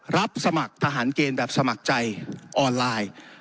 รับสมัครทหารเกณฑ์แบบสมัครใจออนไลน์